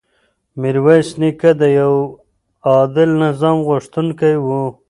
میرویس نیکه د یو عادل نظام غوښتونکی و.